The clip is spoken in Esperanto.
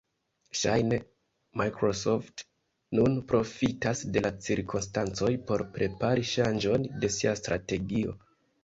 Ŝajne Microsoft nun profitas de la cirkonstancoj por prepari ŝanĝon de sia strategio.